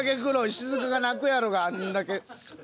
石塚が泣くやろうがあんだけ。